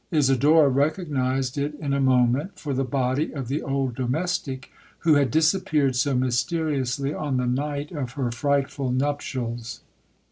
Isidora recognized it in a moment for the body of the old domestic who had disappeared so mysteriously on the night of her frightful nuptials.